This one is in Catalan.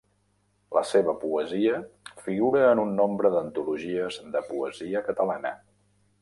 La seva poesia figura en un nombre d'antologies de poesia catalana.